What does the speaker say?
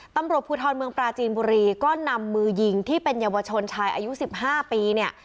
ตำรวจภูทรเมืองปราจีนบุรีก็นำมือยิงที่เป็นเยาวชนชายอายุ๑๕ปีเนี่ย